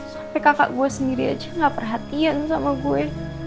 sampai kakak gue sendiri aja gak perhatian sama gue